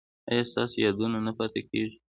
ایا ستاسو یادونه نه پاتې کیږي؟